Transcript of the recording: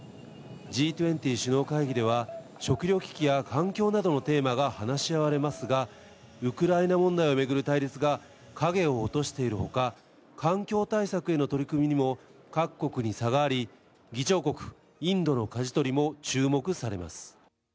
Ｇ２０首脳会議では、食糧危機や環境などのテーマが話し合われますが、ウクライナ問題を巡る対立が影を落としているほか、環境対策への取り組みにも各国に差があり、議長国インドのかじ取りも注目されます。